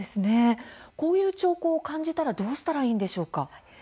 こういう兆候を感じたらどうしたらいいでしょうか。